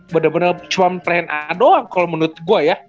bener bener cuma plan a doang kalau menurut gue ya